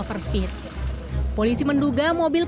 pembenturan kondisi kondisi kondisi kondisi kondisi